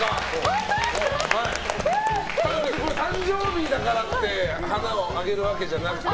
誕生日だからって花をあげるわけじゃなくて。